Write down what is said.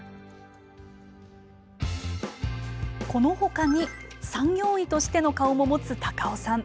このほかに産業医としての顔も持つ高尾さん。